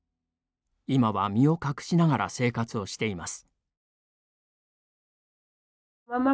今は身を隠しながら生活をしています。